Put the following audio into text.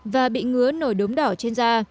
và bị ngứa nổi đốm đỏ trên da